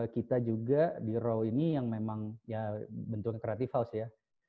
kita juga di row ini yang memang ya bentuknya creative house ya